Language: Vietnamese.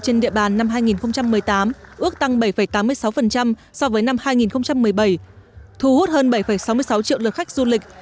trên địa bàn năm hai nghìn một mươi tám ước tăng bảy tám mươi sáu so với năm hai nghìn một mươi bảy thu hút hơn bảy sáu mươi sáu triệu lượt khách du lịch